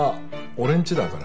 俺んちだから？